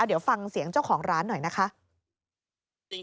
เดี๋ยวฟังเสียงเจ้าของร้านหน่อยนะคะ